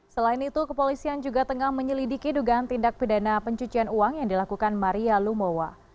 selain itu kepolisian juga tengah menyelidiki dugaan tindak pidana pencucian uang yang dilakukan maria lumowa